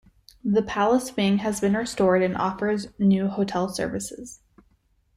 The palace wing has been restored and offers new hotel services.